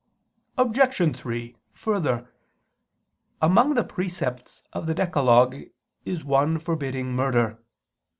Obj. 3: Further, among the precepts of the decalogue is one forbidding murder.